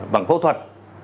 bằng phẫu thuật